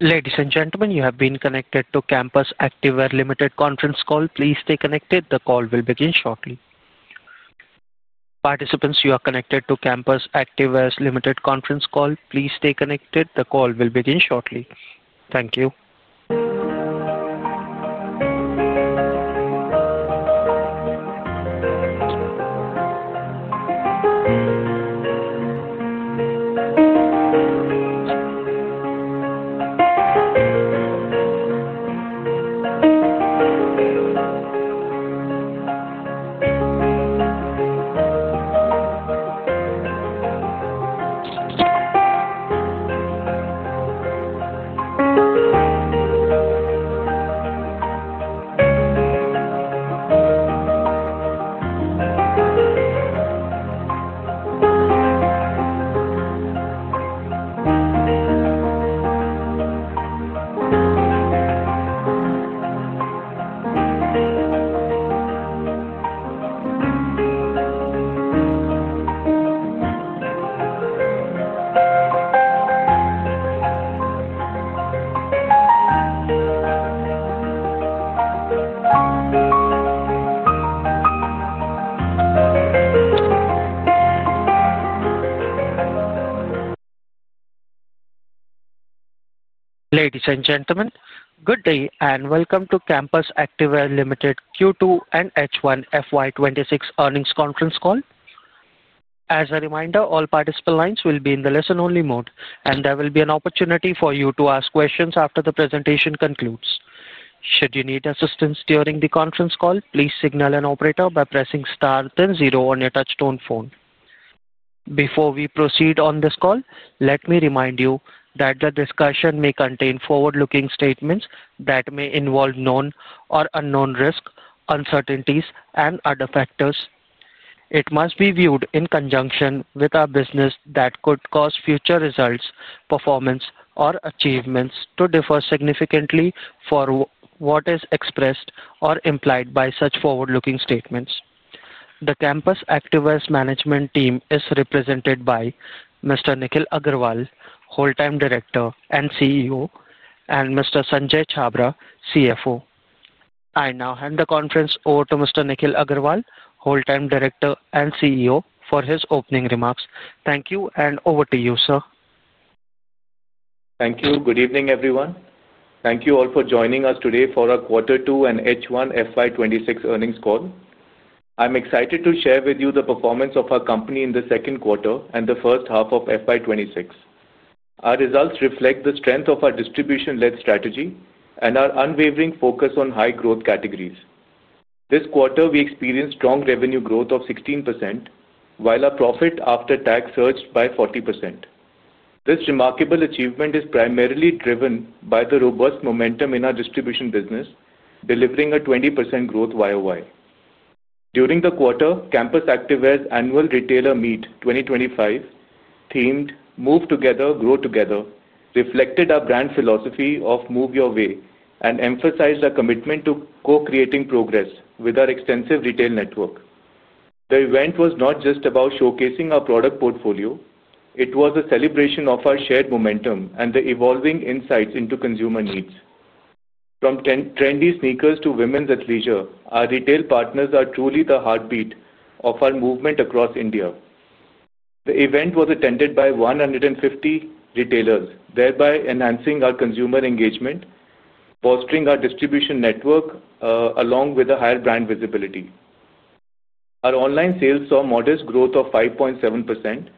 Ladies and gentlemen, you have been connected to Campus Activewear Limited conference call. Please stay connected. The call will begin shortly. Participants, you are connected to Campus Activewear Limited conference call. Please stay connected. The call will begin shortly. Thank you. Ladies and gentlemen, good day and welcome to Campus Activewear Limited Q2 and H1 FY 2026 earnings conference call. As a reminder, all participant lines will be in the listen-only mode, and there will be an opportunity for you to ask questions after the presentation concludes. Should you need assistance during the conference call, please signal an operator by pressing star then zero on your touchstone phone. Before we proceed on this call, let me remind you that the discussion may contain forward-looking statements that may involve known or unknown risk, uncertainties, and other factors. It must be viewed in conjunction with a business that could cause future results, performance, or achievements to differ significantly from what is expressed or implied by such forward-looking statements. The Campus Activewear Management Team is represented by Mr. Nikhil Aggarwal, Whole Time Director and CEO, and Mr. Sanjay Chhabra, CFO. I now hand the conference over to Mr. Nikhil Aggarwal, Whole Time Director and CEO, for his opening remarks. Thank you, and over to you, sir. Thank you. Good evening, everyone. Thank you all for joining us today for our quarter two and H1 FY 2026 earnings call. I'm excited to share with you the performance of our company in the second quarter and the first half of FY 2026. Our results reflect the strength of our distribution-led strategy and our unwavering focus on high-growth categories. This quarter, we experienced strong revenue growth of 16%, while our profit after tax surged by 40%. This remarkable achievement is primarily driven by the robust momentum in our distribution business, delivering a 20% growth YoY. During the quarter, Campus Activewear's Annual Retailer Meet 2025, themed "Move Together, Grow Together," reflected our brand philosophy of "Move Your Way" and emphasized our commitment to co-creating progress with our extensive retail network. The event was not just about showcasing our product portfolio. It was a celebration of our shared momentum and the evolving insights into consumer needs. From trendy sneakers to women's athleisure, our retail partners are truly the heartbeat of our movement across India. The event was attended by 150 retailers, thereby enhancing our consumer engagement, fostering our distribution network, along with a higher brand visibility. Our online sales saw modest growth of 5.7%,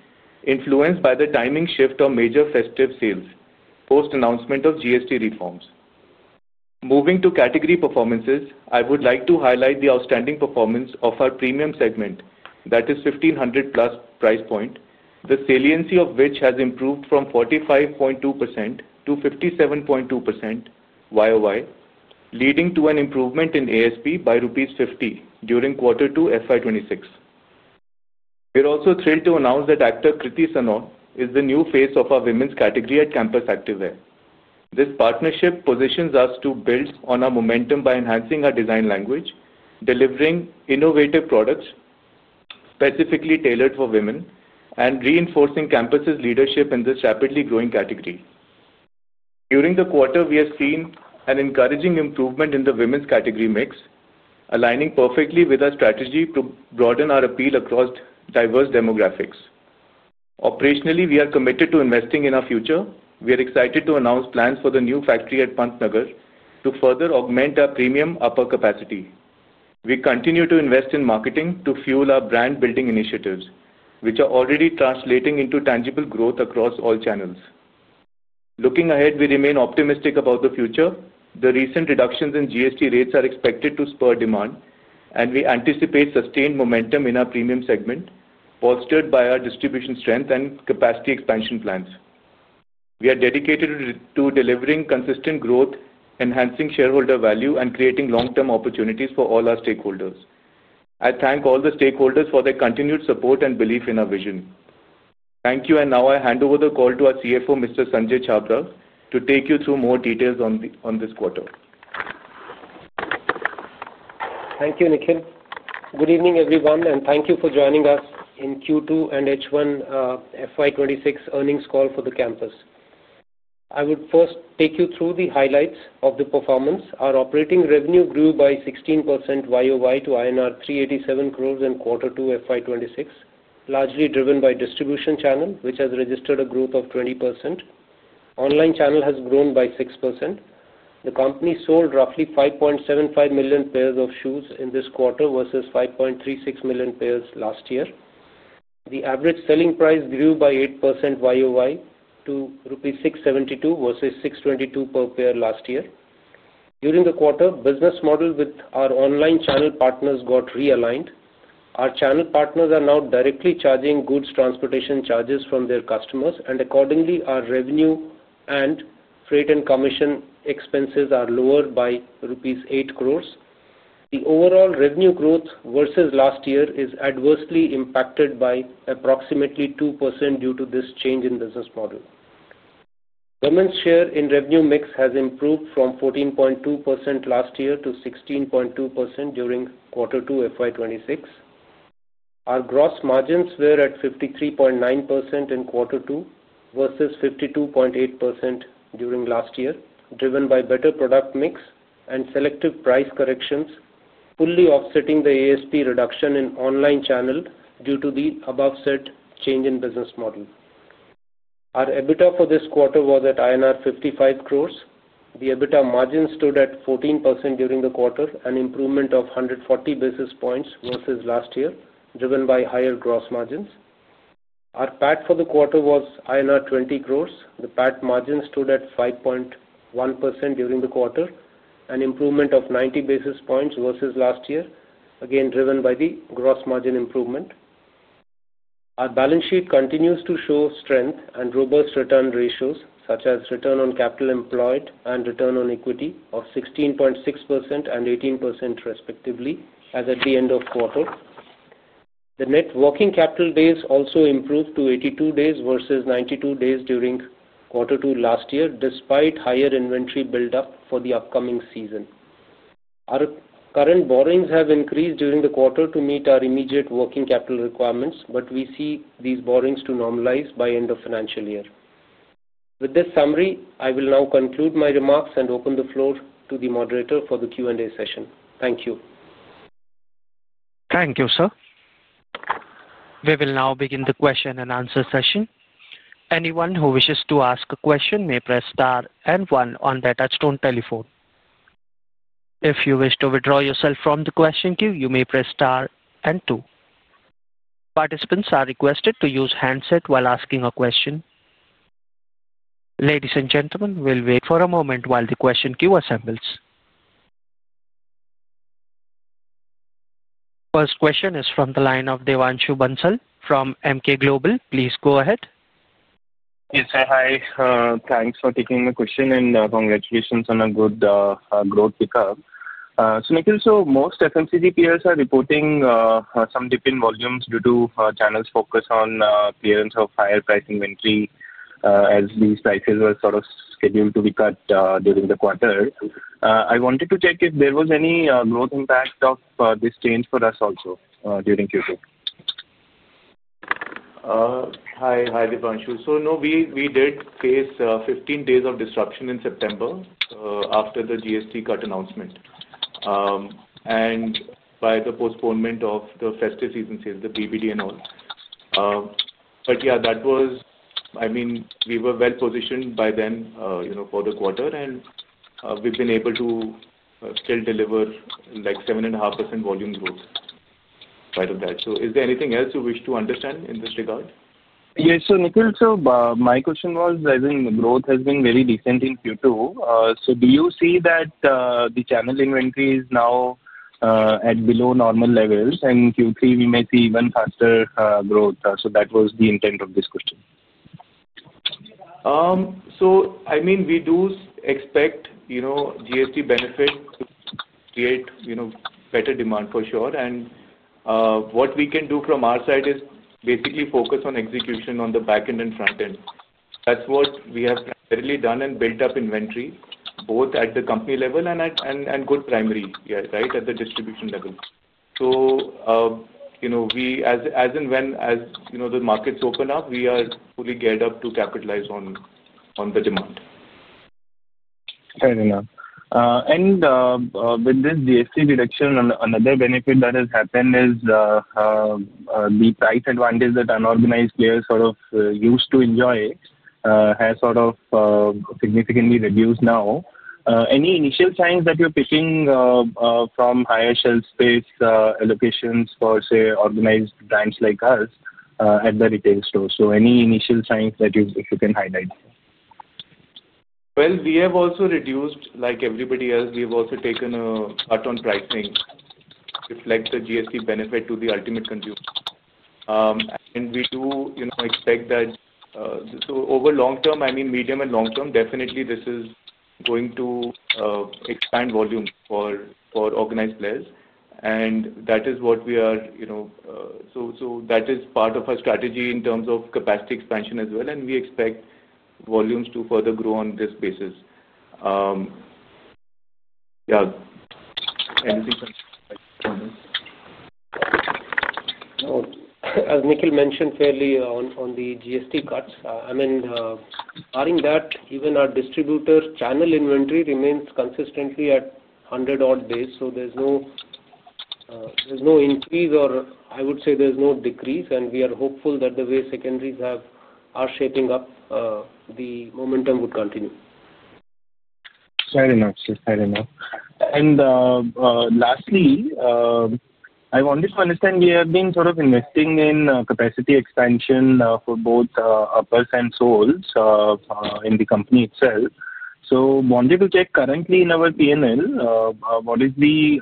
influenced by the timing shift of major festive sales post-announcement of GST reforms. Moving to category performances, I would like to highlight the outstanding performance of our Premium segment, that is, 1,500+ price point, the saliency of which has improved from 45.2% to 57.2% YoY, leading to an improvement in ASP by 50 rupees during quarter two FY 2026. We're also thrilled to announce that actor Kriti Sanon is the new face of our women's category at Campus Activewear. This partnership positions us to build on our momentum by enhancing our design language, delivering innovative products specifically tailored for women, and reinforcing Campus's leadership in this rapidly growing category. During the quarter, we have seen an encouraging improvement in the women's category mix, aligning perfectly with our strategy to broaden our appeal across diverse demographics. Operationally, we are committed to investing in our future. We are excited to announce plans for the new factory at Pantnagar to further augment our Premium upper capacity. We continue to invest in marketing to fuel our brand-building initiatives, which are already translating into tangible growth across all channels. Looking ahead, we remain optimistic about the future. The recent reductions in GST rates are expected to spur demand, and we anticipate sustained momentum in our Premium segment, bolstered by our distribution strength and capacity expansion plans. We are dedicated to delivering consistent growth, enhancing shareholder value, and creating long-term opportunities for all our stakeholders. I thank all the stakeholders for their continued support and belief in our vision. Thank you, and now I hand over the call to our CFO, Mr. Sanjay Chhabra, to take you through more details on this quarter. Thank you, Nikhil. Good evening, everyone, and thank you for joining us in Q2 and H1 FY 2026 earnings call for the campus. I would first take you through the highlights of the performance. Our operating revenue grew by 16% YoY to INR 387 crore in quarter two FY 2026, largely driven by distribution channel, which has registered a growth of 20%. Online channel has grown by 6%. The company sold roughly 5.75 million pairs of shoes in this quarter versus 5.36 million pairs last year. The average selling price grew by 8% YoY to rupees 672 versus 622 per pair last year. During the quarter, business model with our online channel partners got realigned. Our channel partners are now directly charging goods transportation charges from their customers, and accordingly, our revenue and freight and commission expenses are lower by rupees 8 crore. The overall revenue growth versus last year is adversely impacted by approximately 2% due to this change in business model. Women's share in revenue mix has improved from 14.2% last year to 16.2% during quarter two FY 2026. Our gross margins were at 53.9% in quarter two versus 52.8% during last year, driven by better product mix and selective price corrections, fully offsetting the ASP reduction in online channel due to the above-set change in business model. Our EBITDA for this quarter was at INR 55 crore. The EBITDA margin stood at 14% during the quarter, an improvement of 140 basis points versus last year, driven by higher gross margins. Our PAT for the quarter was INR 20 crore. The PAT margin stood at 5.1% during the quarter, an improvement of 90 basis points versus last year, again driven by the gross margin improvement. Our balance sheet continues to show strength and robust return ratios, such as return on capital employed and return on equity of 16.6% and 18%, respectively, as at the end of quarter. The net working capital days also improved to 82 days versus 92 days during quarter two last year, despite higher inventory build-up for the upcoming season. Our current borrowings have increased during the quarter to meet our immediate working capital requirements, but we see these borrowings to normalize by end of financial year. With this summary, I will now conclude my remarks and open the floor to the moderator for the Q&A session. Thank you. Thank you, sir. We will now begin the question and answer session. Anyone who wishes to ask a question may press star and one on their touchstone telephone. If you wish to withdraw yourself from the question queue, you may press star and two. Participants are requested to use handset while asking a question. Ladies and gentlemen, we'll wait for a moment while the question queue assembles. First question is from the line of Devanshu Bansal from Emkay Global. Please go ahead. Yes, hi. Thanks for taking the question, and congratulations on a good growth recall. Nikhil, most FMCG players are reporting some dip in volumes due to channel's focus on clearance of higher price inventory as these prices were sort of scheduled to be cut during the quarter. I wanted to check if there was any growth impact of this change for us also during Q2. Hi, hi Devanshu. No, we did face 15 days of disruption in September after the GST cut announcement and by the postponement of the festive season sales, the PBD and all. Yeah, that was, I mean, we were well-positioned by then for the quarter, and we've been able to still deliver 7.5% volume growth out of that. Is there anything else you wish to understand in this regard? Yes, so Nikhil, so my question was, as in the growth has been very decent in Q2. Do you see that the channel inventory is now at below normal levels, and in Q3, we may see even faster growth? That was the intent of this question. I mean, we do expect GST benefit to create better demand for sure. What we can do from our side is basically focus on execution on the back end and front end. That is what we have really done and built up inventory both at the company level and good primary, right, at the distribution level. As and when the markets open up, we are fully geared up to capitalize on the demand. Fair enough. With this GST reduction, another benefit that has happened is the price advantage that unorganized players sort of used to enjoy has sort of significantly reduced now. Any initial signs that you're picking from higher shelf space allocations for, say, organized brands like us at the retail store? Any initial signs that you can highlight? We have also reduced, like everybody else, we've also taken a cut on pricing to reflect the GST benefit to the ultimate consumer. We do expect that over the long term, I mean, medium and long term, definitely this is going to expand volume for organized players. That is what we are, so that is part of our strategy in terms of capacity expansion as well. We expect volumes to further grow on this basis. Yeah. Anything from... As Nikhil mentioned fairly on the GST cuts, I mean, barring that, even our distributor channel inventory remains consistently at 100-odd days. There is no increase, or I would say there is no decrease. We are hopeful that the way secondaries are shaping up, the momentum would continue. Fair enough. Fair enough. Lastly, I wanted to understand, we have been sort of investing in capacity expansion for both uppers and soles in the company itself. I wanted to check currently in our P&L, what is the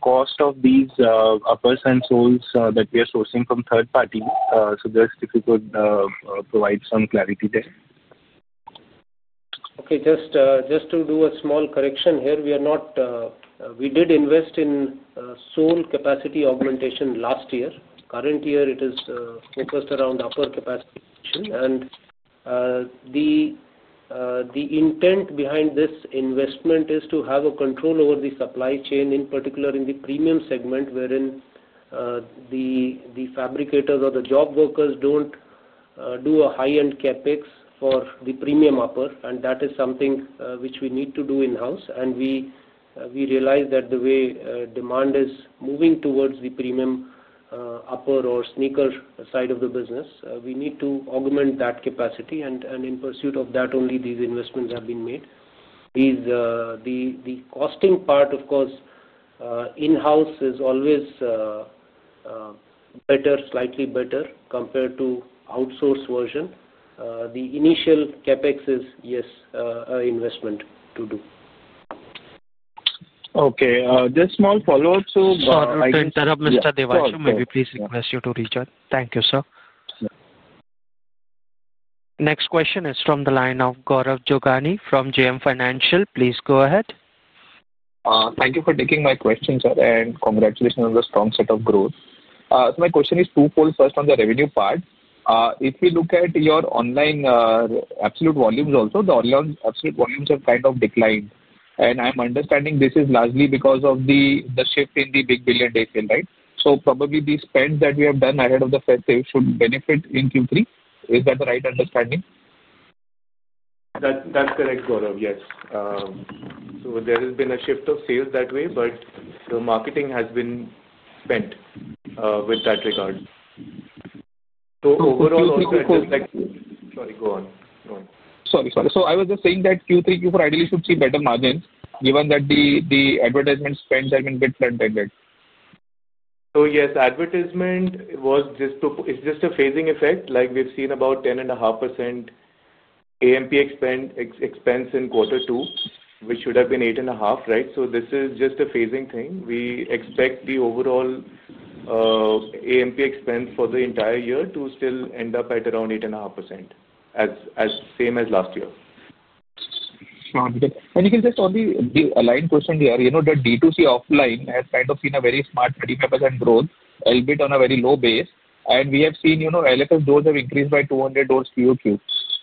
cost of these uppers and soles that we are sourcing from third parties? If you could provide some clarity there. Okay. Just to do a small correction here, we did invest in sole capacity augmentation last year. Current year, it is focused around upper capacity. The intent behind this investment is to have a control over the supply chain, in particular in the Premium segment, wherein the fabricators or the job workers do not do a high-end CapEx for the Premium upper. That is something which we need to do in-house. We realize that the way demand is moving towards the Premium upper or sneaker side of the business, we need to augment that capacity. In pursuit of that, only these investments have been made. The costing part, of course, in-house is always better, slightly better compared to the outsourced version. The initial CapEx is, yes, an investment to do. Okay. Just small follow-up so... Sorry to interrupt, Mr. Devanshu. Maybe please request you to reach out. Thank you, sir. Next question is from the line of Gaurav Jogani from JM Financial. Please go ahead. Thank you for taking my question, sir, and congratulations on the strong set of growth. My question is twofold. First, on the revenue part, if we look at your online absolute volumes also, the online absolute volumes have kind of declined. I am understanding this is largely because of the shift in the Big Billion Day sale, right? Probably the spend that we have done ahead of the festive should benefit in Q3. Is that the right understanding? That's correct, Gaurav. Yes. There has been a shift of sales that way, but the marketing has been spent with that regard. Overall, also, I think. Sorry, Nikhil. Sorry, go on. Go on. Sorry, sorry. I was just saying that Q3, Q4, ideally, should see better margins given that the advertisement spends have been a bit front-ended. Yes, advertisement was just a phasing effect. Like we've seen about 10.5% AMP expense in quarter two, which should have been 8.5%, right? This is just a phasing thing. We expect the overall AMP expense for the entire year to still end up at around 8.5%, same as last year. Nikhil, just on the aligned question here, the D2C offline has kind of seen a very smart 35% growth, a little bit on a very low base. We have seen LFS doors have increased by 200 doors Q2.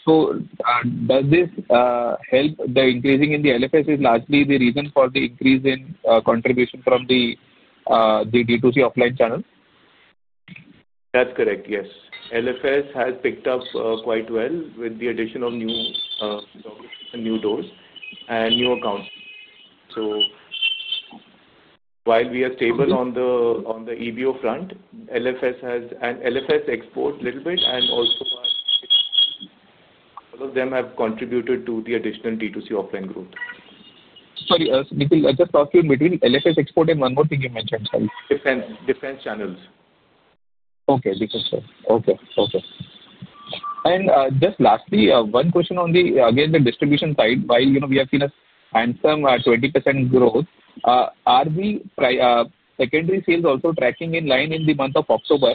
Does this help the increasing in the LFS? Is largely the reason for the increase in contribution from the D2C offline channel? That's correct. Yes. LFS has picked up quite well with the addition of new doors and new accounts. While we are stable on the EBO front, LFS exports a little bit, and also all of them have contributed to the additional D2C offline growth. Sorry, Nikhil, just ask you, between LFS, export, and one more thing you mentioned. Defense channels. Okay. Defense channels. Okay. Okay. And just lastly, one question on the, again, the distribution side. While we have seen a handsome 20% growth, are the secondary sales also tracking in line in the month of October?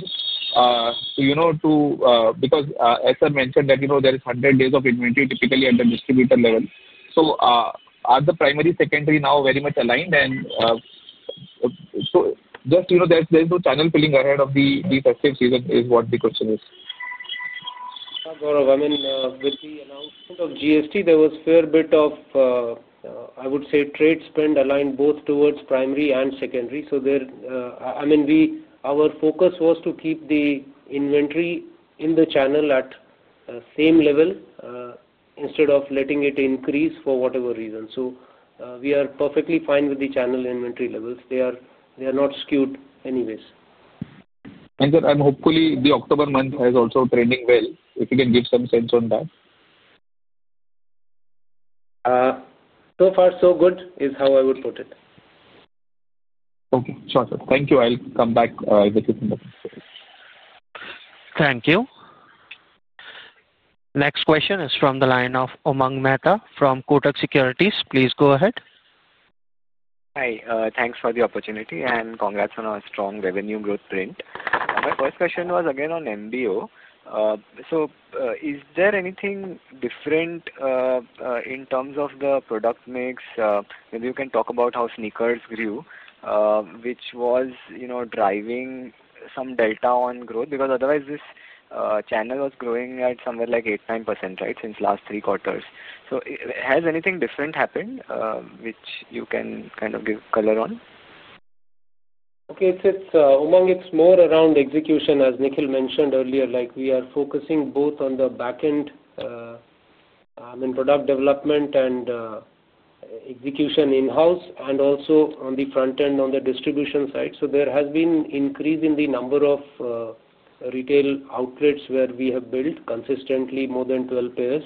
Because as I mentioned, there is 100 days of inventory typically at the distributor level. So are the primary secondary now very much aligned? And so just there's no channel filling ahead of the festive season is what the question is. Gaurav, I mean, with the announcement of GST, there was a fair bit of, I would say, trade spend aligned both towards primary and secondary. I mean, our focus was to keep the inventory in the channel at the same level instead of letting it increase for whatever reason. We are perfectly fine with the channel inventory levels. They are not skewed anyways. Hopefully, the October month has also trended well. If you can give some sense on that. So far, so good is how I would put it. Okay. Sure. Thank you. I'll come back if it is in the. Thank you. Next question is from the line of Umang Mehta from Kotak Securities. Please go ahead. Hi. Thanks for the opportunity and congrats on our strong revenue growth print. My first question was again on MBO. Is there anything different in terms of the product mix? Maybe you can talk about how sneakers grew, which was driving some delta on growth? Because otherwise, this channel was growing at somewhere like 8%-9% right, since last three quarters. Has anything different happened, which you can kind of give color on? Okay. Umang, it's more around execution, as Nikhil mentioned earlier. We are focusing both on the back end, I mean, product development and execution in-house, and also on the front end, on the distribution side. There has been an increase in the number of retail outlets where we have built consistently more than 12 pairs.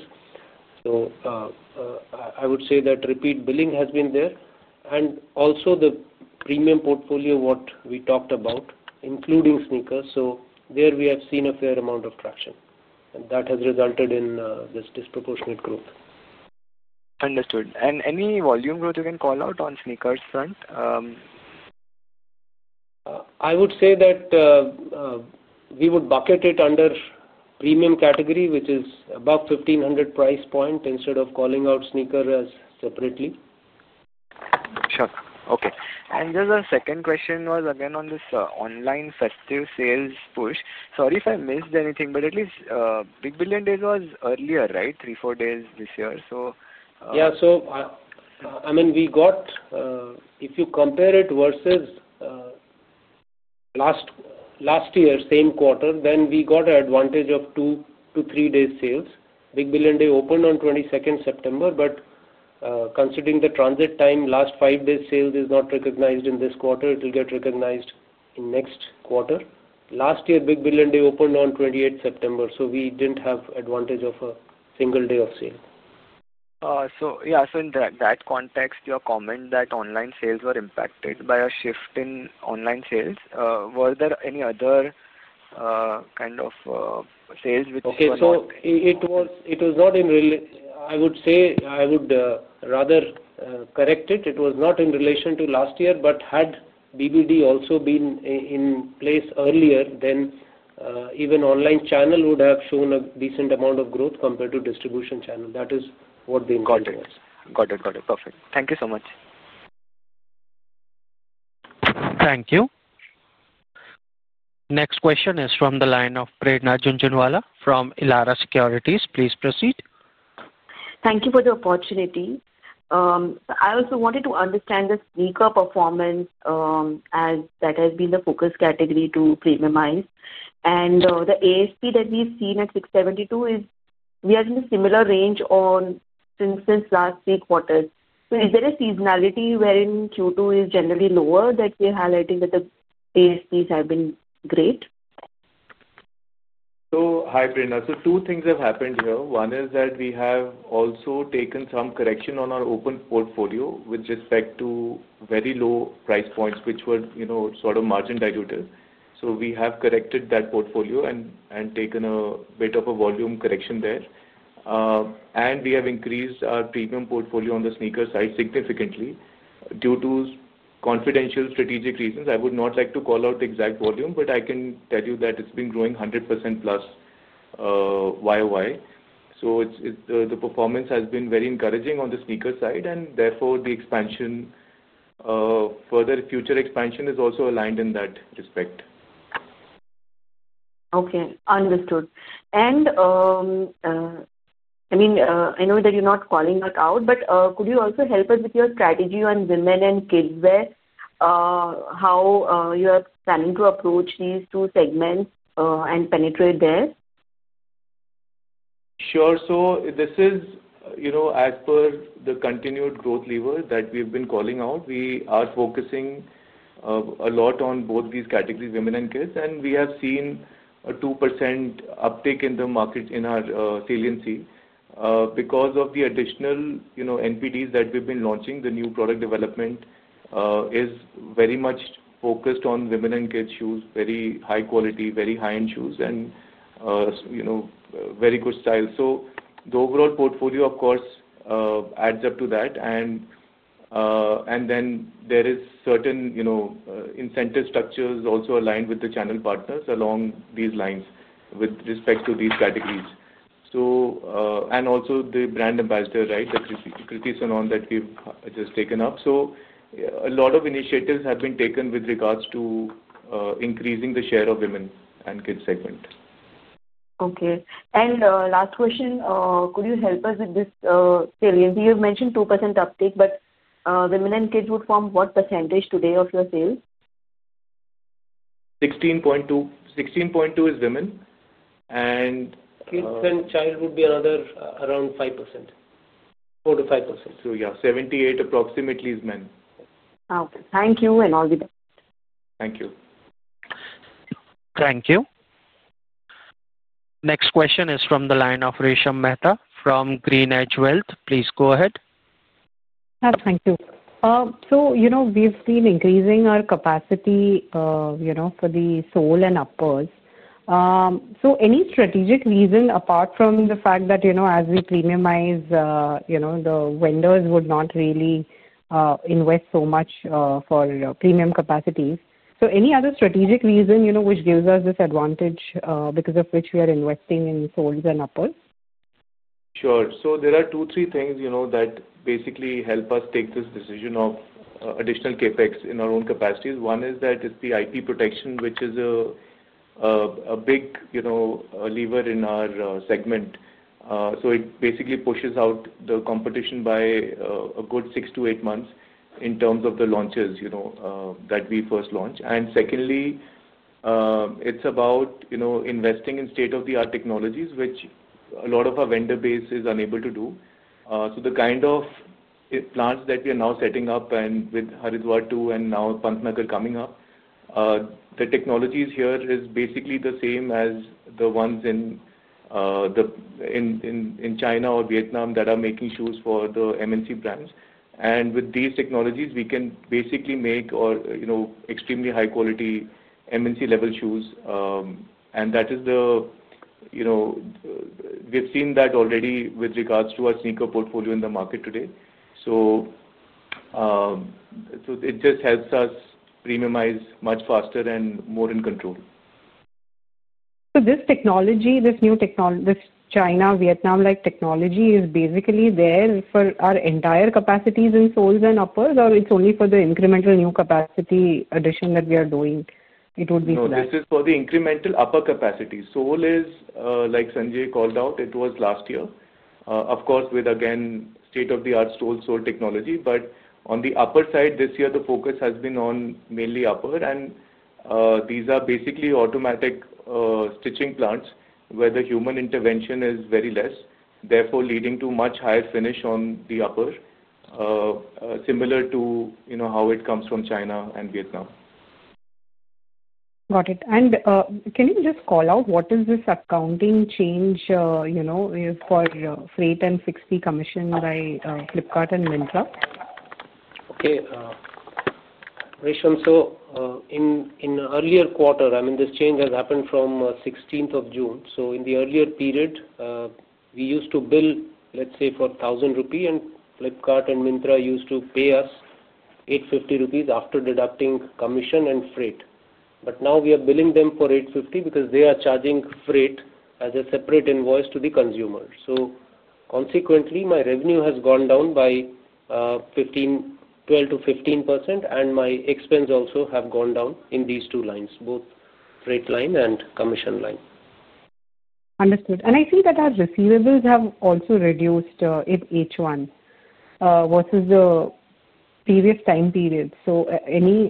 I would say that repeat billing has been there. Also, the Premium portfolio, what we talked about, including sneakers. There we have seen a fair amount of traction, and that has resulted in this disproportionate growth. Understood. Any volume growth you can call out on sneakers front? I would say that we would bucket it under Premium category, which is above 1,500 price point instead of calling out sneakers separately. Sure. Okay. Just a second question was again on this online festive sales push. Sorry if I missed anything, but at least Big Billion Days was earlier, right, three, four days this year. Yeah. So I mean, we got, if you compare it versus last year, same quarter, then we got an advantage of two to three days' sales. Big Billion Day opened on 22nd September but considering the transit time, last five days' sales is not recognized in this quarter. It will get recognized in next quarter. Last year, Big Billion Day opened on 28th September so we did not have advantage of a single day of sale. Yeah, in that context, your comment that online sales were impacted by a shift in online sales, were there any other kind of sales which. Okay. It was not in, I would say, I would rather correct it. It was not in relation to last year, but had BBD also been in place earlier, then even online channel would have shown a decent amount of growth compared to distribution channel. That is what the impact was. Got it. Perfect. Thank you so much. Thank you. Next question is from the line of Prerna Jhunjhunwala from Elara Securities. Please proceed. Thank you for the opportunity. I also wanted to understand the sneaker performance as that has been the focus category to Premiumize. And the ASP that we've seen at 672 is we are in a similar range since last three quarters. So is there a seasonality wherein Q2 is generally lower that you're highlighting that the ASPs have been great? Hi, Prerna. Two things have happened here. One is that we have also taken some correction on our open portfolio with respect to very low price points, which were sort of margin diluted. We have corrected that portfolio and taken a bit of a volume correction there. We have increased our Premium portfolio on the sneaker side significantly. Due to confidential strategic reasons, I would not like to call out the exact volume, but I can tell you that it has been growing 100%+ YoY. The performance has been very encouraging on the sneaker side. Therefore, the expansion, further future expansion, is also aligned in that respect. Okay. Understood. I mean, I know that you're not calling that out, but could you also help us with your strategy on women and kids wear? How you are planning to approach these two segments and penetrate there? Sure. This is, as per the continued growth lever that we've been calling out, we are focusing a lot on both these categories, women and kids. We have seen a 2% uptick in the market in our saliency because of the additional NPDs that we've been launching. The new product development is very much focused on women and kids shoes, very high quality, very high-end shoes, and very good style. The overall portfolio, of course, adds up to that. There are certain incentive structures also aligned with the channel partners along these lines with respect to these categories. Also, the brand ambassador, right, Kriti Sanon that we've just taken up. A lot of initiatives have been taken with regards to increasing the share of women and kids segment. Okay. Last question, could you help us with this saliency? You've mentioned 2% uptick, but women and kids would form what percentage today of your sales? 16.2%. 16.2% is women. And Kids and child would be another around 4%-5%. So yeah, 78% approximately is men. Okay. Thank you. All the best. Thank you. Thank you. Next question is from the line of Resha Mehta from GreenEdge Wealth. Please go ahead. Yes. Thank you. We've been increasing our capacity for the sole and uppers. Any strategic reason apart from the fact that as we Premiumize, the vendors would not really invest so much for Premium capacities? Any other strategic reason which gives us this advantage because of which we are investing in soles and uppers? Sure. There are two, three things that basically help us take this decision of additional CapEx in our own capacities. One is that it is the IP protection, which is a big lever in our segment. It basically pushes out the competition by a good six to eight months in terms of the launches that we first launch. Secondly, it is about investing in state-of-the-art technologies, which a lot of our vendor base is unable to do. The kind of plants that we are now setting up with Haridwar 2 and now Pantnagar coming up, the technologies here are basically the same as the ones in China or Vietnam that are making shoes for the MNC brands. With these technologies, we can basically make extremely high-quality MNC-level shoes. That is the, we have seen that already with regards to our sneaker portfolio in the market today. It just helps us Premiumize much faster and more in control. This technology, this new China, Vietnam-like technology, is basically there for our entire capacities in soles and uppers, or it's only for the incremental new capacity addition that we are doing? It would be for. No. This is for the incremental upper capacity. Sole is, like Sanjay called out, it was last year, of course, with, again, state-of-the-art sole technology. On the upper side, this year, the focus has been on mainly upper. These are basically automatic stitching plants where the human intervention is very less, therefore leading to much higher finish on the upper, similar to how it comes from China and Vietnam. Got it. Can you just call out what is this accounting change for freight and 60 commission by Flipkart and Myntra? Okay. Resha, so in earlier quarter, I mean, this change has happened from 16th of June. In the earlier period, we used to bill, let's say, for 4,000 rupee, and Flipkart and Myntra used to pay us 850 rupees after deducting commission and freight. Now we are billing them for 850 because they are charging freight as a separate invoice to the consumer. Consequently, my revenue has gone down by 12%-15%, and my expense also has gone down in these two lines, both freight line and commission line. Understood. I think that our receivables have also reduced in H1 versus the previous time period. I mean,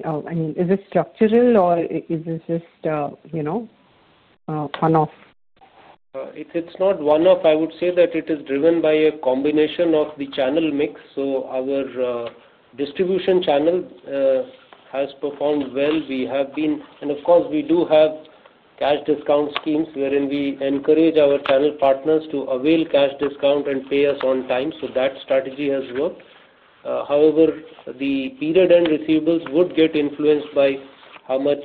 is it structural or is it just one-off? It's not one-off. I would say that it is driven by a combination of the channel mix. So our distribution channel has performed well. We have been, and of course, we do have cash discount schemes wherein we encourage our channel partners to avail cash discount and pay us on time. That strategy has worked. However, the period and receivables would get influenced by how much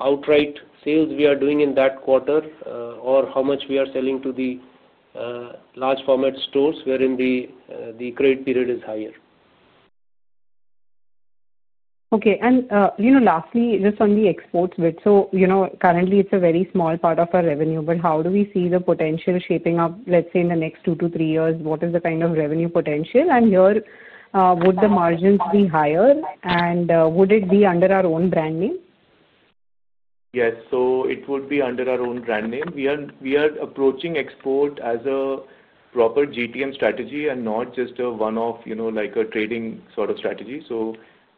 outright sales we are doing in that quarter or how much we are selling to the large format stores wherein the trade period is higher. Okay. Lastly, just on the exports bit, currently, it's a very small part of our revenue, but how do we see the potential shaping up, let's say, in the next two to three years? What is the kind of revenue potential? Here, would the margins be higher, and would it be under our own brand name? Yes. It would be under our own brand name. We are approaching export as a proper GTM strategy and not just a one-off, like a trading sort of strategy.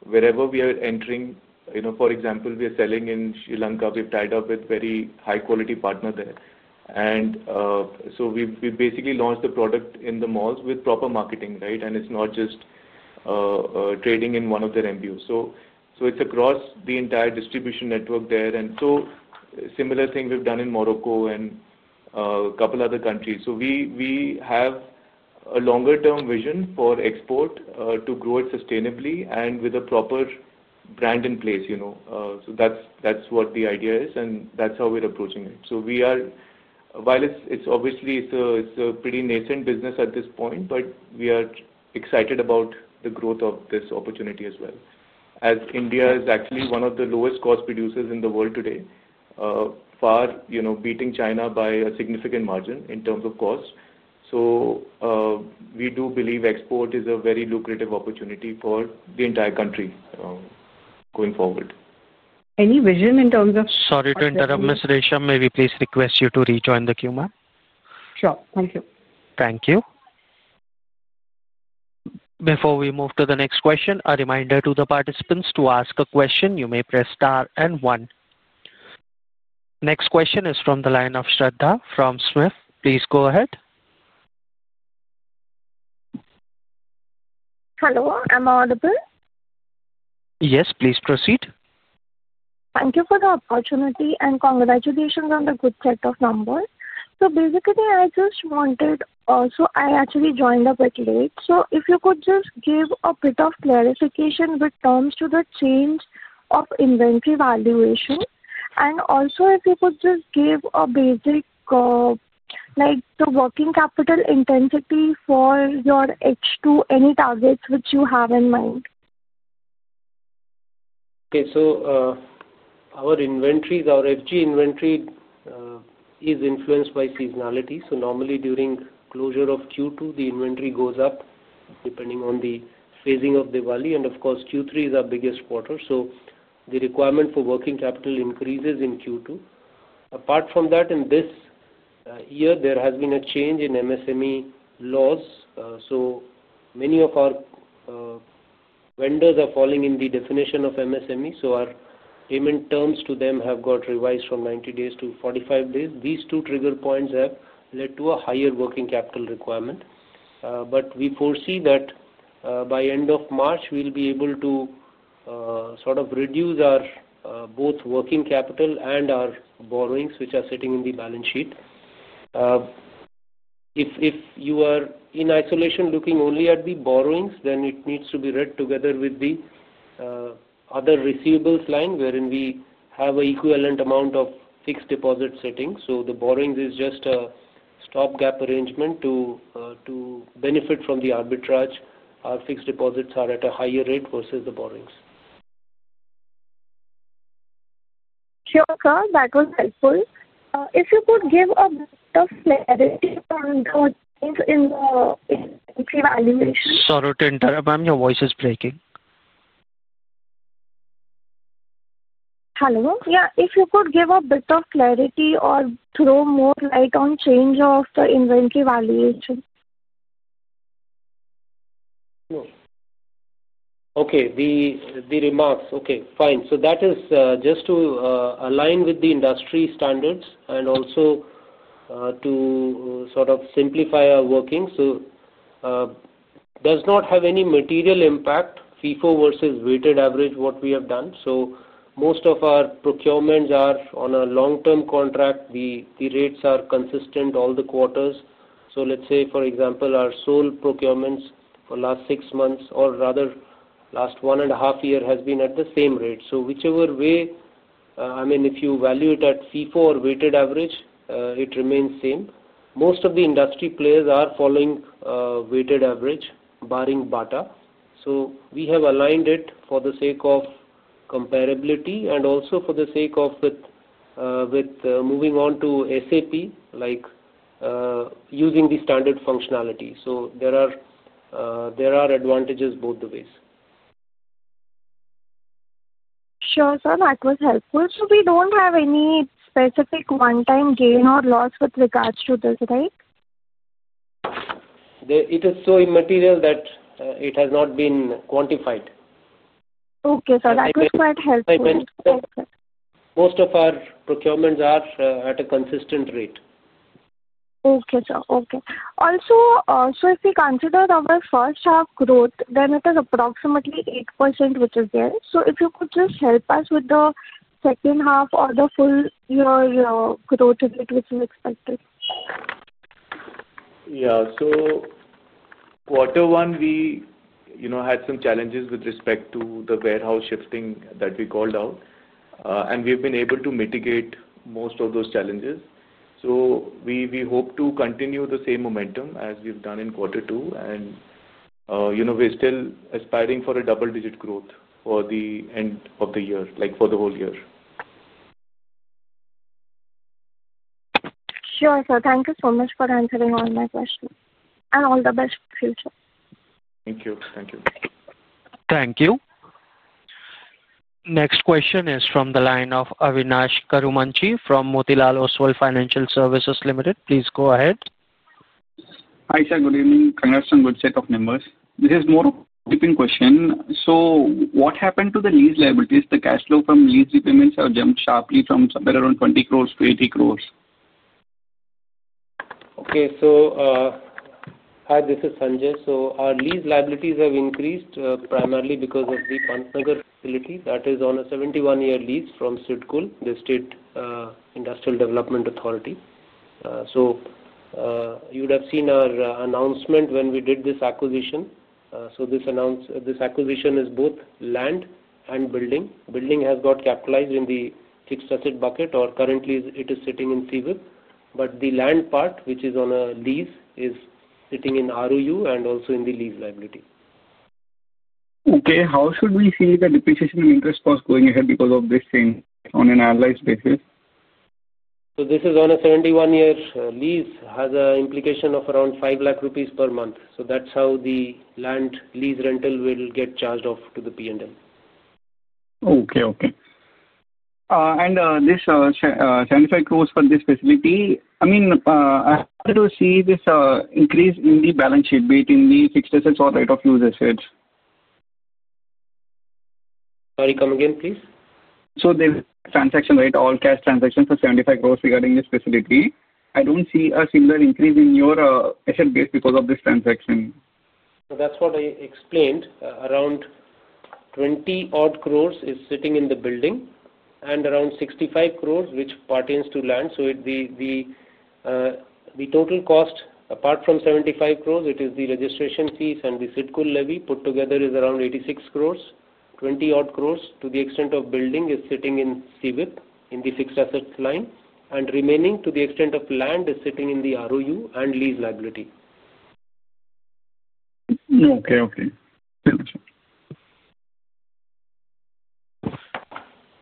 Wherever we are entering, for example, we are selling in Sri Lanka. We have tied up with a very high-quality partner there. We basically launched the product in the malls with proper marketing, right? It is not just trading in one of their MBOs. It is across the entire distribution network there. A similar thing we have done in Morocco and a couple of other countries. We have a longer-term vision for export to grow it sustainably and with a proper brand in place. That is what the idea is, and that is how we are approaching it. While it's obviously a pretty nascent business at this point, but we are excited about the growth of this opportunity as well. As India is actually one of the lowest cost producers in the world today, far beating China by a significant margin in terms of cost. We do believe export is a very lucrative opportunity for the entire country going forward. Any vision in terms of? Sorry to interrupt, Ms. Resha. May we please request you to rejoin the queue, ma'am? Sure. Thank you. Thank you. Before we move to the next question, a reminder to the participants to ask a question. You may press star and one. Next question is from the line of Shraddha from Smith. Please go ahead. Hello. I'm audible? Yes. Please proceed. Thank you for the opportunity and congratulations on the good set of numbers. Basically, I just wanted, I actually joined a bit late. If you could just give a bit of clarification with terms to the change of inventory valuation. Also, if you could just give a basic working capital intensity for your H2, any targets which you have in mind. Okay. So our inventories, our FG inventory is influenced by seasonality. Normally, during closure of Q2, the inventory goes up depending on the phasing of Diwali. Of course, Q3 is our biggest quarter. The requirement for working capital increases in Q2. Apart from that, in this year, there has been a change in MSME laws. Many of our vendors are falling in the definition of MSME. Our payment terms to them have got revised from 90 days to 45 days. These two trigger points have led to a higher working capital requirement. We foresee that by end of March, we'll be able to sort of reduce both working capital and our borrowings, which are sitting in the balance sheet. If you are in isolation looking only at the borrowings, then it needs to be read together with the other receivables line wherein we have an equivalent amount of fixed deposit sitting. The borrowings is just a stop-gap arrangement to benefit from the arbitrage. Our fixed deposits are at a higher rate versus the borrowings. Sure. That was helpful. If you could give a bit of clarity on the change in the inventory valuation. Sorry to interrupt, ma'am. Your voice is breaking. Hello? Yeah. If you could give a bit of clarity or throw more light on change of the inventory valuation. Okay. The remarks. Okay. Fine. That is just to align with the industry standards and also to sort of simplify our working. It does not have any material impact, FIFO versus weighted average, what we have done. Most of our procurements are on a long-term contract. The rates are consistent all the quarters. Let's say, for example, our sole procurements for the last six months, or rather, last one and a half year, have been at the same rate. Whichever way, I mean, if you value it at FIFO or weighted average, it remains the same. Most of the industry players are following weighted average, barring [BATA]. We have aligned it for the sake of comparability and also for the sake of moving on to SAP, like using the standard functionality. There are advantages both the ways. Sure, sir. That was helpful. So we don't have any specific one-time gain or loss with regards to this, right? It is so immaterial that it has not been quantified. Okay. So that was quite helpful. Most of our procurements are at a consistent rate. Okay. Also, if we consider our first half growth, then it is approximately 8%, which is there. If you could just help us with the second half or the full year growth rate, which is expected. Yeah. Quarter one, we had some challenges with respect to the warehouse shifting that we called out. We have been able to mitigate most of those challenges. We hope to continue the same momentum as we have done in quarter two. We are still aspiring for a double-digit growth for the end of the year, like for the whole year. Sure, sir. Thank you so much for answering all my questions. All the best for the future. Thank you. Thank you. Thank you. Next question is from the line of Avinash Karumanchi from Motilal Oswal Financial Services Limited. Please go ahead. Hi, sir. Good evening. Congrats on good set of numbers. This is more of a quick question. What happened to the lease liabilities? The cash flow from lease repayments have jumped sharply from somewhere around 20 crore to 80 crore. Okay. Hi, this is Sanjay. Our lease liabilities have increased primarily because of the Pantnagar facility that is on a 71-year lease from SIDCUL, the State Industrial Development Authority. You would have seen our announcement when we did this acquisition. This acquisition is both land and building. The building has got capitalized in the fixed asset bucket, or currently, it is sitting in SIDCUL. The land part, which is on a lease, is sitting in ROU and also in the lease liability. Okay. How should we see the depreciation and interest cost going ahead because of this change on an annualized basis? This is on a 71-year lease, has an implication of around 500,000 rupees per month. That is how the land lease rental will get charged off to the P&L. Okay. Okay. And this INR 75 crore for this facility, I mean, I wanted to see this increase in the balance sheet, be it in the fixed assets or right-of-use assets. Sorry. Come again, please. The transaction rate, all cash transactions for 75 crore regarding this facility, I do not see a similar increase in your asset base because of this transaction. That's what I explained. Around 20 crore is sitting in the building and around 65 crore, which pertains to land. The total cost, apart from 75 crore, is the registration fees and the SIDCUL levy put together is around 86 crore. 20 crore to the extent of building is sitting in SIDCUL in the fixed asset line. Remaining to the extent of land is sitting in the ROU and lease liability. Okay. Okay. Thank you.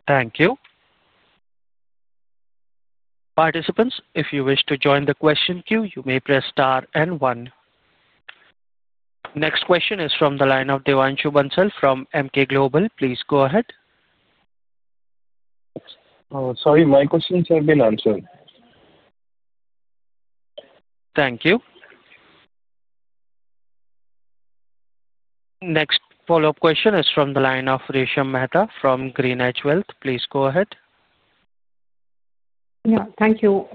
Thank you. Participants, if you wish to join the question queue, you may press star and one. Next question is from the line of Devanshu Bansal from Emkay Global. Please go ahead. Sorry. My questions have been answered. Thank you. Next follow-up question is from the line of Resha Mehta from GreenEdge Wealth. Please go ahead. Yeah. Thank you.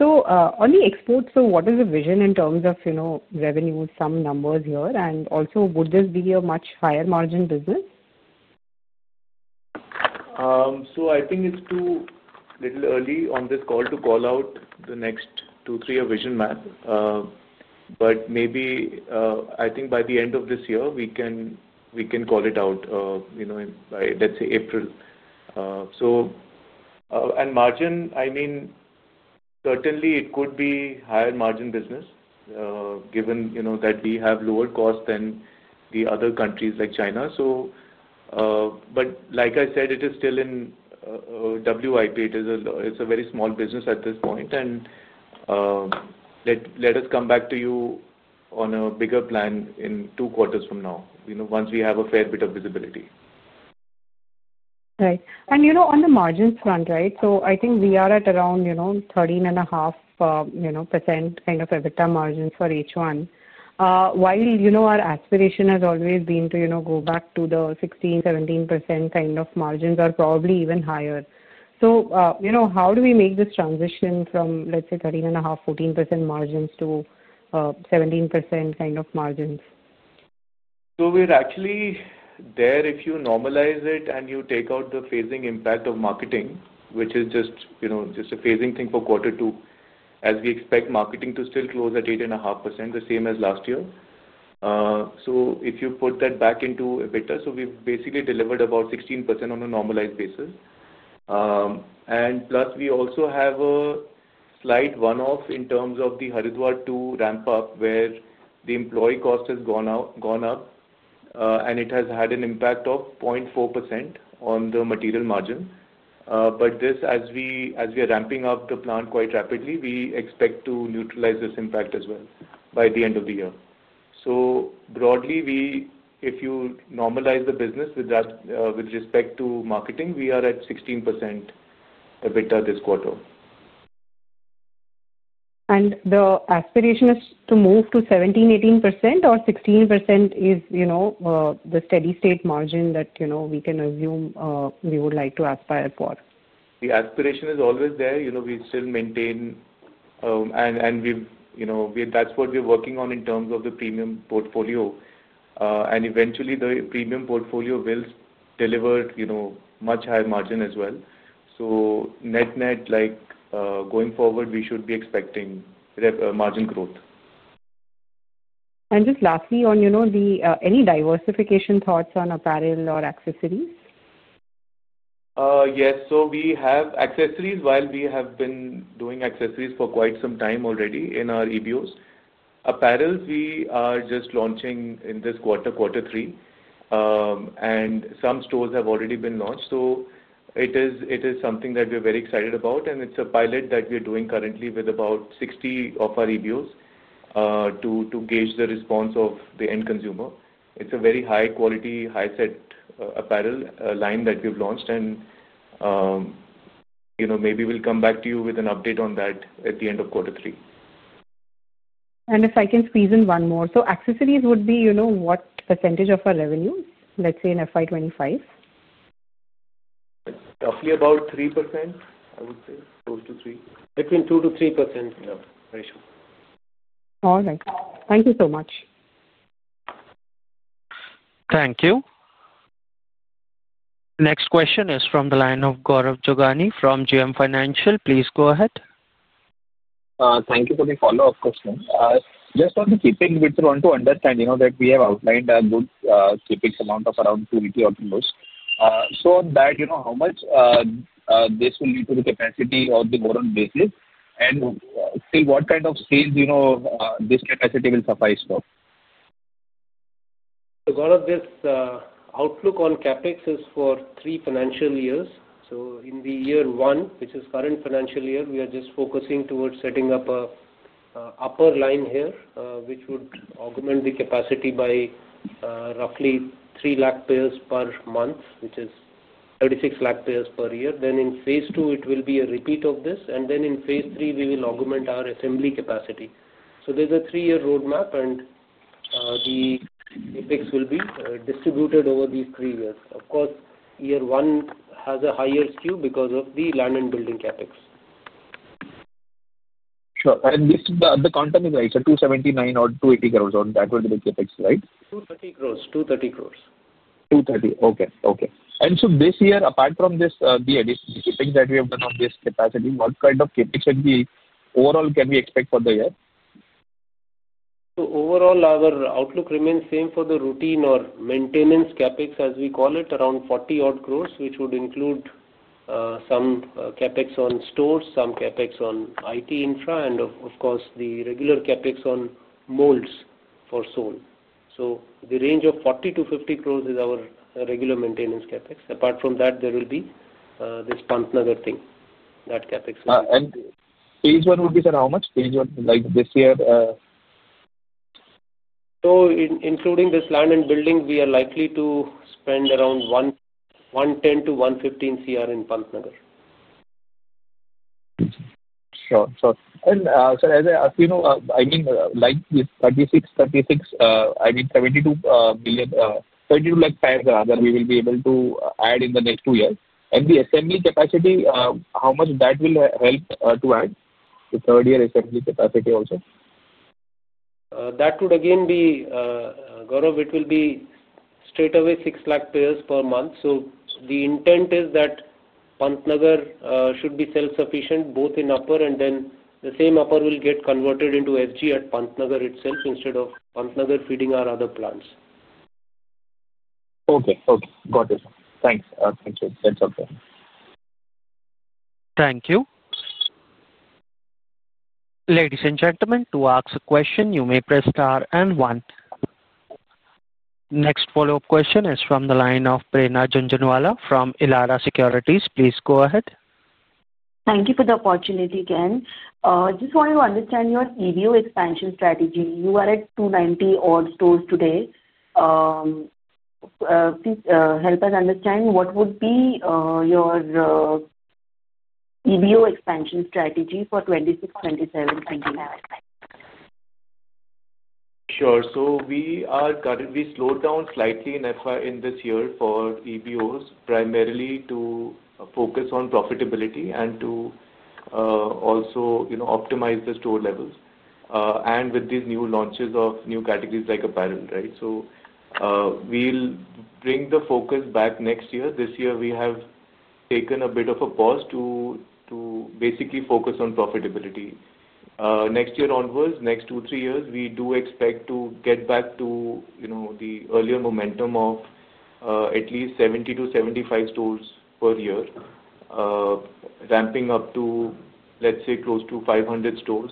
On the exports, what is the vision in terms of revenue, some numbers here? Also, would this be a much higher margin business? I think it's too little early on this call to call out the next two or three-year vision map. Maybe I think by the end of this year, we can call it out by, let's say, April. Margin, I mean, certainly, it could be higher margin business given that we have lower costs than other countries like China. Like I said, it is still in WIP. It's a very small business at this point. Let us come back to you on a bigger plan in two quarters from now, once we have a fair bit of visibility. Right. On the margins front, I think we are at around 13.5% kind of EBITDA margins for H1. While our aspiration has always been to go back to the 16%, 17% kind of margins or probably even higher. How do we make this transition from, let's say, 13.5%-14% margins to 17% kind of margins? We're actually there. If you normalize it and you take out the phasing impact of marketing, which is just a phasing thing for quarter two, as we expect marketing to still close at 8.5%, the same as last year. If you put that back into EBITDA, we've basically delivered about 16% on a normalized basis. Plus, we also have a slight one-off in terms of the Haridwar 2 ramp-up where the employee cost has gone up, and it has had an impact of 0.4% on the material margin. This, as we are ramping up the plant quite rapidly, we expect to neutralize this impact as well by the end of the year. Broadly, if you normalize the business with respect to marketing, we are at 16% EBITDA this quarter. The aspiration is to move to 17-%18%, or 16% is the steady-state margin that we can assume we would like to aspire for? The aspiration is always there. We still maintain, and that's what we're working on in terms of the Premium portfolio. Eventually, the Premium portfolio will deliver much higher margin as well. Net-net, going forward, we should be expecting margin growth. Just lastly, on any diversification thoughts on apparel or accessories? Yes. We have accessories while we have been doing accessories for quite some time already in our EBOs. Apparels, we are just launching in this quarter, quarter three. Some stores have already been launched. It is something that we're very excited about. It is a pilot that we're doing currently with about 60 of our EBOs to gauge the response of the end consumer. It is a very high-quality, high-set apparel line that we've launched. Maybe we'll come back to you with an update on that at the end of quarter three. If I can squeeze in one more, accessories would be what percentage of our revenue, let's say, in FY 2025? Roughly about 3%, I would say. Close to 3%. Between 2%-3% ratio. All right. Thank you so much. Thank you. Next question is from the line of Gaurav Jogani from JM Financial. Please go ahead. Thank you for the follow-up question. Just on the keeping with, we want to understand that we have outlined a good keeping amount of around 200 crore. On that, how much this will lead to the capacity on the current basis? Still, what kind of sales this capacity will suffice for? All of this outlook on CapEx is for three financial years. In year one, which is the current financial year, we are just focusing towards setting up an upper line here, which would augment the capacity by roughly 300,000 pairs per month, which is 3,600,000 pairs per year. In phase two, it will be a repeat of this. In phase three, we will augment our assembly capacity. There is a three-year roadmap, and the CapEx will be distributed over these three years. Of course, year one has a higher skew because of the land and building CapEx. Sure. The quantum is, right, 279 or 280 crore on that with the CapEx, right? 230 crore. 230 crore. 230. Okay. Okay. This year, apart from this, the keeping that we have done on this capacity, what kind of CapEx overall can we expect for the year? Overall, our outlook remains same for the routine or maintenance CapEx, as we call it, around 40 crore, which would include some CapEx on stores, some CapEx on IT infra, and of course, the regular CapEx on molds for sole. The range of 40-50 crore is our regular maintenance CapEx. Apart from that, there will be this Pantnagar thing, that CapEx. Phase one would be for how much? Phase one, like this year? Including this land and building, we are likely to spend around 110 crore-115 crore in Pantnagar. Sure. Sure. Sir, as I mean, like 36, 36, I mean, 72 million, 32 lakh pairs rather, we will be able to add in the next two years. The assembly capacity, how much that will help to add to third-year assembly capacity also? That would again be, Gaurav, it will be straight away 600,000 pairs per month. The intent is that Pantnagar should be self-sufficient both in upper, and then the same upper will get converted into SG at Pantnagar itself instead of Pantnagar feeding our other plants. Okay. Okay. Got it. Thanks. Thank you. That's okay. Thank you. Ladies and gentlemen, to ask a question, you may press star and one. Next follow-up question is from the line of Prerna Jhunjhunwala from Elara Securities. Please go ahead. Thank you for the opportunity again. Just wanted to understand your EBO expansion strategy. You are at 290 old stores today. Please help us understand what would be your EBO expansion strategy for 2026, 2027, 2028? Sure. We slowed down slightly in this year for EBOs, primarily to focus on profitability and to also optimize the store levels and with these new launches of new categories like apparel, right? We will bring the focus back next year. This year, we have taken a bit of a pause to basically focus on profitability. Next year onwards, next two, three years, we do expect to get back to the earlier momentum of at least 70-75 stores per year, ramping up to, let's say, close to 500 stores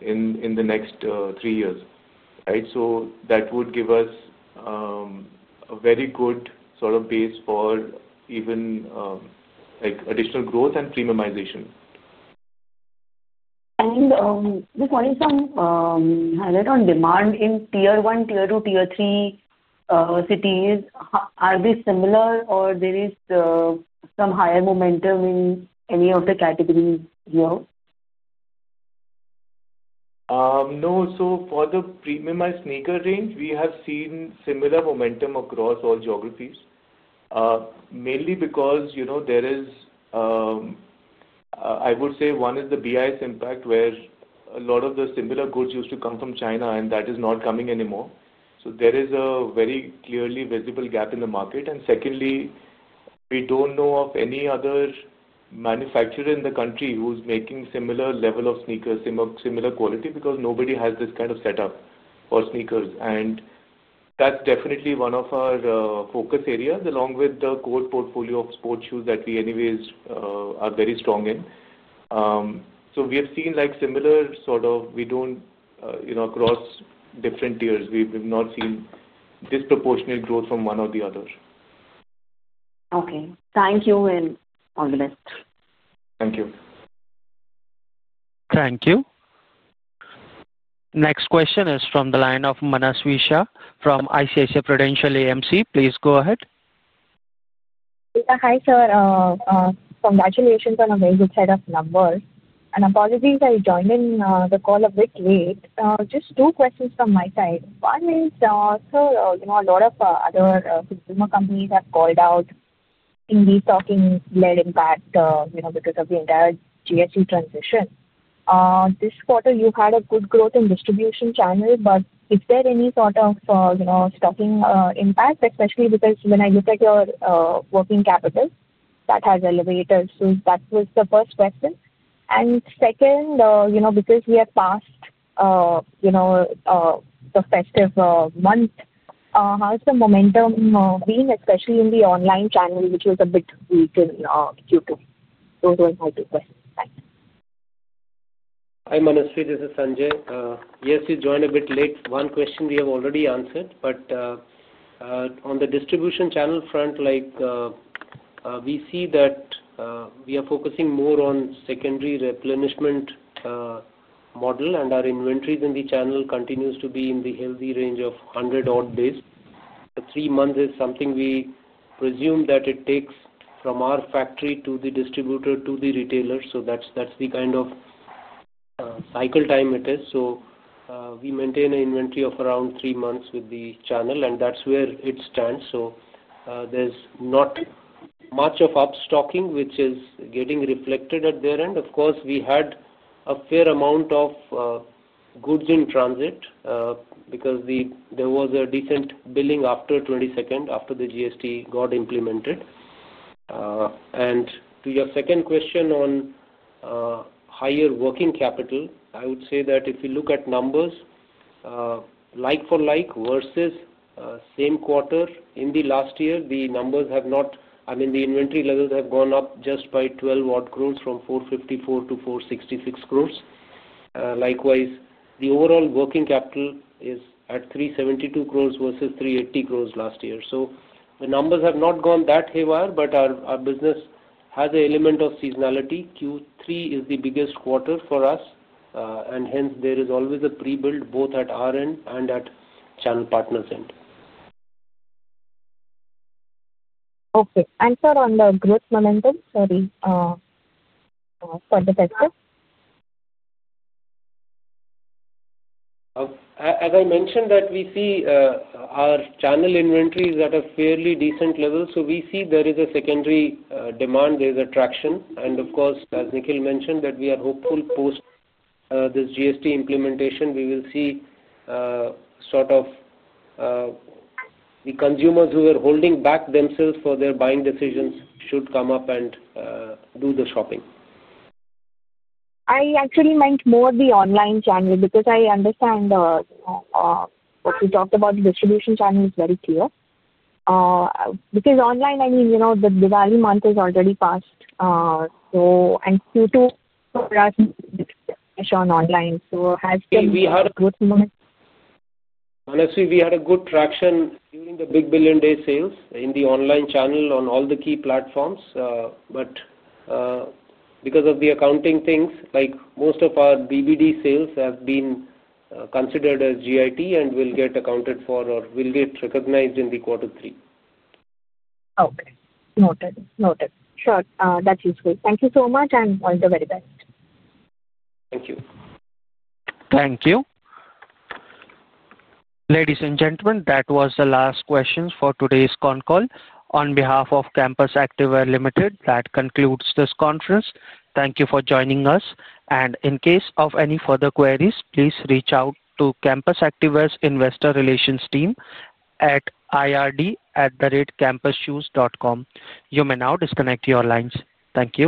in the next three years, right? That would give us a very good sort of base for even additional growth and Premiumization. Just wanted some highlight on demand in tier one, tier two, tier three cities. Are they similar, or there is some higher momentum in any of the categories here? No. For the Premiumized sneaker range, we have seen similar momentum across all geographies, mainly because there is, I would say, one is the BIS impact where a lot of the similar goods used to come from China, and that is not coming anymore. There is a very clearly visible gap in the market. Secondly, we do not know of any other manufacturer in the country who is making similar level of sneakers, similar quality, because nobody has this kind of setup for sneakers. That is definitely one of our focus areas along with the core portfolio of sports shoes that we anyways are very strong in. We have seen similar sort of, we do not, across different tiers. We have not seen disproportionate growth from one or the other. Okay. Thank you. On the list. Thank you. Thank you. Next question is from the line of Manasvi Shah from ICICI Prudential AMC. Please go ahead. Yeah. Hi, sir. Congratulations on a very good set of numbers. Apologies I joined in the call a bit late. Just two questions from my side. One is, sir, a lot of other consumer companies have called out in the stocking-led impact because of the entire GST transition. This quarter, you had a good growth in distribution channel, but is there any sort of stocking impact, especially because when I look at your working capital, that has elevated? That was the first question. Second, because we have passed the festive month, how's the momentum been, especially in the online channel, which was a bit weakened due to? Those were my two questions. Thanks. Hi, Manishi. This is Sanjay. Yes, you joined a bit late. One question we have already answered, but on the distribution channel front, we see that we are focusing more on secondary replenishment model, and our inventories in the channel continue to be in the healthy range of 100 odd days. Three months is something we presume that it takes from our factory to the distributor to the retailer. That is the kind of cycle time it is. We maintain an inventory of around three months with the channel, and that is where it stands. There is not much of upstocking, which is getting reflected at their end. Of course, we had a fair amount of goods in transit because there was a decent billing after 22nd, after the GST got implemented. To your second question on higher working capital, I would say that if you look at numbers, like for like versus same quarter in the last year, the numbers have not, I mean, the inventory levels have gone up just by 12 crore from 454 crore to 466 crore. Likewise, the overall working capital is at 372 crore versus 380 crore last year. The numbers have not gone that haywire, but our business has an element of seasonality. Q3 is the biggest quarter for us, and hence, there is always a pre-build both at our end and at channel partners' end. Okay. And sir, on the growth momentum, sorry, for the festival. As I mentioned, that we see our channel inventories at a fairly decent level. We see there is a secondary demand. There is attraction. Of course, as Nikhil mentioned, we are hopeful post this GST implementation, we will see sort of the consumers who are holding back themselves for their buying decisions should come up and do the shopping. I actually meant more the online channel because I understand what we talked about. The distribution channel is very clear. I mean, online, the value month has already passed. Q2 for us is on online. It has been a good moment. Manishi, we had a good traction during the Big Billion Day sales in the online channel on all the key platforms. However, because of the accounting things, most of our BBD sales have been considered as GIT and will get accounted for or will get recognized in quarter three. Okay. Noted. Noted. Sure. That's useful. Thank you so much, and all the very best. Thank you. Thank you. Ladies and gentlemen, that was the last question for today's con call. On behalf of Campus Activewear Limited, that concludes this conference. Thank you for joining us. In case of any further queries, please reach out to Campus Activewear's investor relations team at ird@campuschoose.com. You may now disconnect your lines. Thank you.